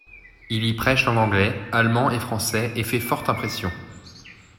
Il y prêche en anglais, allemand et français et fait forte impression.